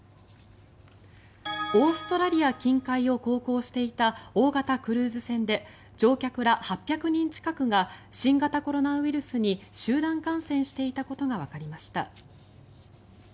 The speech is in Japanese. オーストラリア近海を航行していた大型のクルーズ船で乗客ら８００人近くが新型コロナウイルスに集団感染していたことがわかりました。